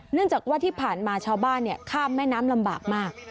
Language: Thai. จากว่าที่ผ่านมาชาวบ้านข้ามแม่น้ำลำบากมาก